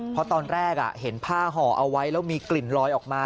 เพราะตอนแรกเห็นผ้าห่อเอาไว้แล้วมีกลิ่นลอยออกมา